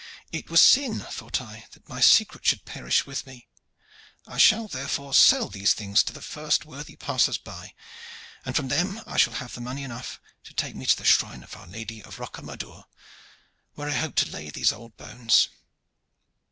It were sin, thought I, that my secret should perish with me. I shall therefore sell these things to the first worthy passers by, and from them I shall have money enough to take me to the shrine of Our Lady at Rocamadour, where I hope to lay these old bones."